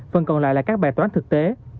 phần còn lại là các bài toán thực tế